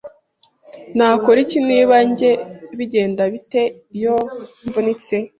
Nakora iki niba njye, bigenda bite iyo mvunitse